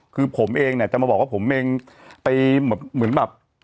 คือผมเองเนี่ยจะมาบอกว่าผมเองไปเหมือนแบบ